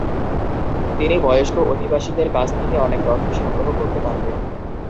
তিনি বয়স্ক অধিবাসীদের কাছ থেকে অনেক তথ্য সংগ্রহ করতে পারতেন।